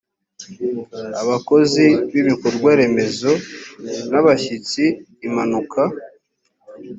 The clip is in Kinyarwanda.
abakozi b ibikorwaremezo n abashyitsi impanuka